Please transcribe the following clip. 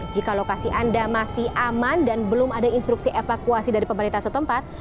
jika lokasi anda masih aman dan belum ada instruksi evakuasi dari pemerintah setempat